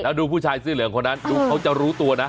แล้วดูผู้ชายเสื้อเหลืองคนนั้นดูเขาจะรู้ตัวนะ